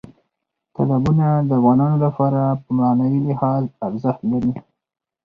تالابونه د افغانانو لپاره په معنوي لحاظ ارزښت لري.